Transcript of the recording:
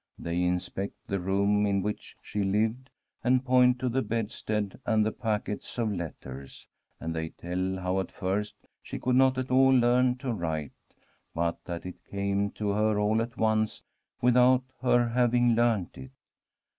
They inspect the room in which she lived, and point to the bedstead and the packets of letters, and they tell how at first she could not at all learn to write, but that it came to her all at once without her having learnt it.